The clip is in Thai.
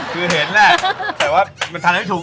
คือเห็นแหละแต่ว่ามันทำให้ถูก